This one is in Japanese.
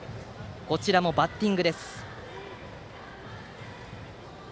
こちらもバッティングです。